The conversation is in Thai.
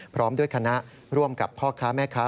พร้อมด้วยคณะร่วมกับพ่อค้าแม่ค้า